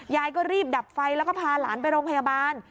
ยายก็รีบดับไฟแล้วก็พาหลานไปโรงพยาบาล